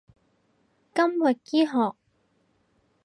金域醫學